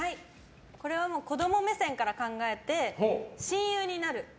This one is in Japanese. これは子供目線から考えて親友になる。